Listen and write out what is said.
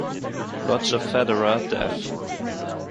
Roger Federer def.